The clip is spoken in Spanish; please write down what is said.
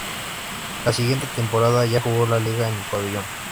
La siguiente temporada ya jugó la liga en el pabellón.